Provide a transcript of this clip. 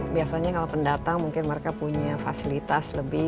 biasanya kalau pendatang mungkin mereka punya fasilitas lebih